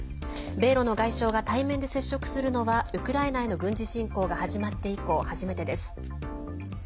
米ロの外相が対面で接触するのはウクライナへの軍事侵攻が始まって以降、初めてです。